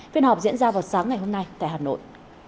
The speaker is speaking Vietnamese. phiên họp diễn ra vào sáng ngày hôm nay tại hà nội